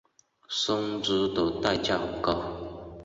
生殖的代价很高。